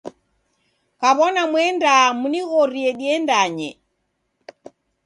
Kaw'ona muendaa munighorie diendanye.